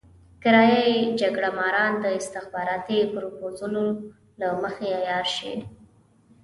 کرايه يي جګړه ماران د استخباراتي پروپوزلونو له مخې عيار شي.